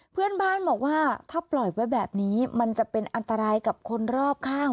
เพื่อนบ้านบอกว่าถ้าปล่อยไว้แบบนี้มันจะเป็นอันตรายกับคนรอบข้าง